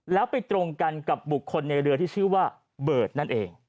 แล้วไปตรงกันกับบุคคลในเรือที่ชื่อว่าเบิร์ตนั่นเอง